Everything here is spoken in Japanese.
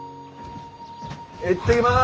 行ってきます！